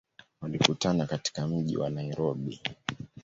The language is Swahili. Walikutana katika mji wa Nairobi.